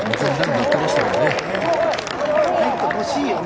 入ってほしいよね。